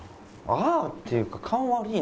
「ああ」っていうか。